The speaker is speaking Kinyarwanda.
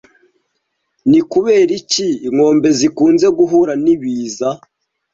Ni kubera iki inkombe zikunze guhura n'ibiza